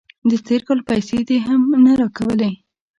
د تیر کال پیسې دې هم نه راکولې.